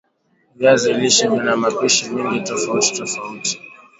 Viazi lishe vina mapishi mengi tofauti tofauti